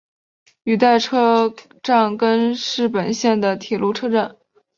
羽带车站根室本线的铁路车站。